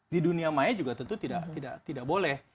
di dunia maya juga tentu tidak boleh